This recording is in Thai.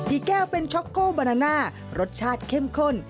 แก้วเป็นช็อกโก้บานาน่ารสชาติเข้มข้น